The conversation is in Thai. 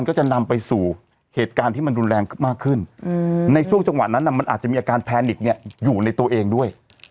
ขึ้นอืมในช่วงจังหวะนั้นน่ะมันอาจจะมีอาการแพนิกเนี้ยอยู่ในตัวเองด้วย